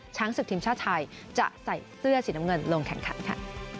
ศึกทีมชาติไทยจะใส่เสื้อสีน้ำเงินลงแข่งขันค่ะ